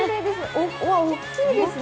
うわ、大きいですね。